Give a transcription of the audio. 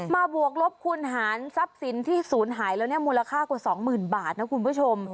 บวกลบคูณหารทรัพย์สินที่ศูนย์หายแล้วเนี่ยมูลค่ากว่า๒๐๐๐บาทนะคุณผู้ชม